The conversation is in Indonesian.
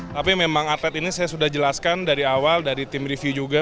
tapi memang atlet ini saya sudah jelaskan dari awal dari tim review juga